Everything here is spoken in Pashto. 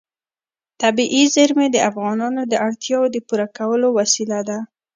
طبیعي زیرمې د افغانانو د اړتیاوو د پوره کولو وسیله ده.